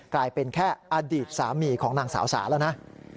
กลายเป็นแค่อดีตสามีของนางสาวสาแล้วนะ